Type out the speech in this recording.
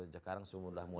sekarang semua sudah mulai